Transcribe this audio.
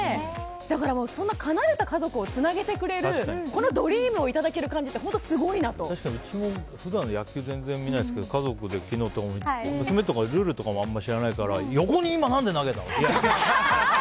だから離れた家族をつなげてくれるこのドリームをいただける感じってうちも普段、野球全然、見ないですけど家族で昨日は見てて娘とかルールとか知らないから横に何で投げたの？